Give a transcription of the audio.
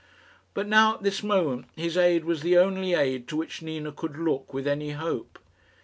But now, at this moment, his aid was the only aid to which Nina could look with any hope.